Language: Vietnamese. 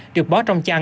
được bó trong phòng